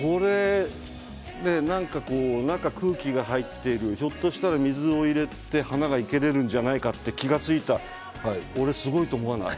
なんかこう、空気が入っているひょっとしたら水を入れて花を生けることができるんじゃないかと気付いた俺すごいと思わない？